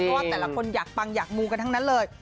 เพราะว่าแต่ละคนอยากปังอยากมูกันทั้งนั้นเลย